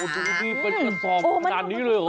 ดูดิเป็นสอบกันนี้เลยหรอ